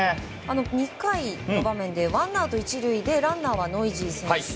２回の場面でワンアウト１塁でランナーはノイジー選手。